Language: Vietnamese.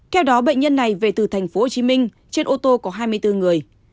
theo đó bệnh nhân này về từ thành phố hồ chí minh trên ô tô có hai mươi bốn người